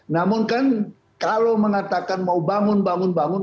namun kan kalau mengatakan mau bangun bangun bangun bangun